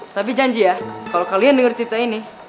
tapi janji ya kalo kalian denger cerita ini